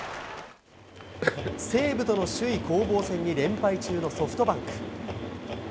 西武との首位攻防戦に連敗中のソフトバンク。